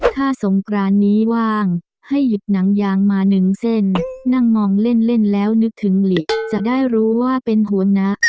ถ้าสงกรานนี้ว่างให้หยิบหนังยางมาหนึ่งเส้นนั่งมองเล่นเล่นแล้วนึกถึงหลีจะได้รู้ว่าเป็นหัวนะ